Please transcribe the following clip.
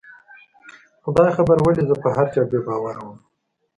خدای خبر ولې زه په هر چا بې باوره ومه